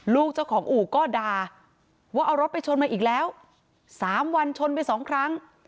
ลูกเจ้าของอู่ก็ด่าว่าเอารถไปชนมาอีกแล้ว๓วันชนไปสองครั้ง